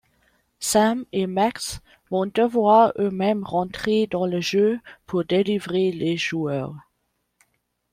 Sam et Max vont devoir eux-mêmes rentrer dans le jeu pour délivrer les joueurs.